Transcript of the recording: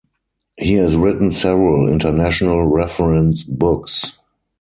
He has written several international reference books.